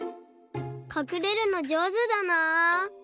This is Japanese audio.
かくれるのじょうずだな。